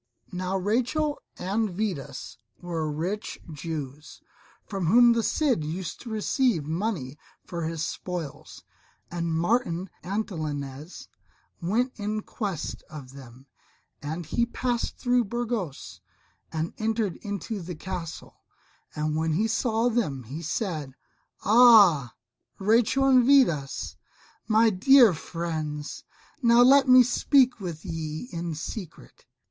Now Rachel and Vidas were rich Jews, from whom the Cid used to receive money for his spoils. And Martin Antolinez went in quest of them, and he passed through Burgos and entered into the Castle; and when he saw them he said, "Ah Rachel and Vidas, my dear friends! now let me speak with ye in secret."